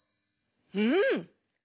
うん。